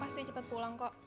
pasti cepet pulang kok